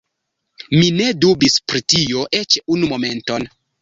Mi ne dubis pri tio eĉ unu momenton.